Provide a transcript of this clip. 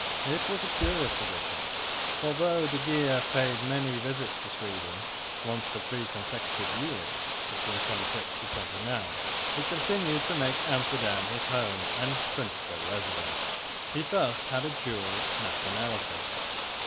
It was a curious position, for though de Geer paid many visits to Sweden, once for three consecutive years, 1626 29, he continued to make Amsterdam his home and principal residence. He thus had a dual nationality.